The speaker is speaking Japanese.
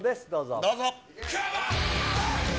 どうぞ。